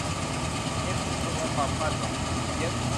เกมเสี่ยงโชคและความคาดหวังที่ผิดเพี้ยน